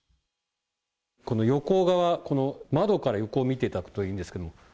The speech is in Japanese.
この横側、窓から横を見ていただくといいんですけど。